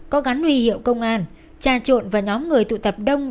có gắn uy hiệu công an tra trộn và nhóm người tụ tập đông